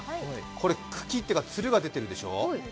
これ、茎というかつるが出てるでしょう？